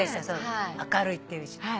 「明るい」っていう字。